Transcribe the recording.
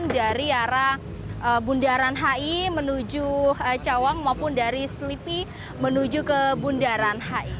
dari arah bundaran hi menuju cawang maupun dari selipi menuju ke bundaran hi